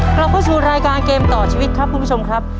กลับเข้าสู่รายการเกมต่อชีวิตครับคุณผู้ชมครับ